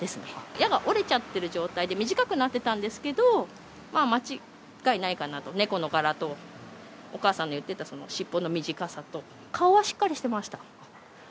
矢が折れちゃってる状態で、短くなってたんですけど、間違いないかなと、猫の柄と、お母さんの言ってた尻尾の短さと、顔はしっかりしてました。